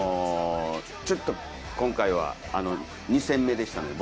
ちょっと今回は２戦目でしたので。